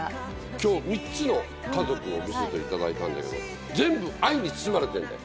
今日３つの家族を見せていただいたんだけど全部愛に包まれてるんだよ。